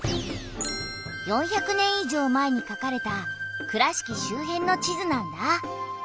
４００年以上前にかかれた倉敷周辺の地図なんだ。